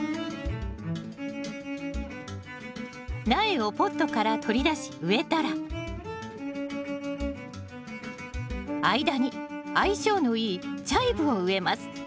苗をポットから取り出し植えたら間に相性のいいチャイブを植えます